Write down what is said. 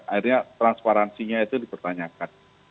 akhirnya transparansinya itu dipertanyakan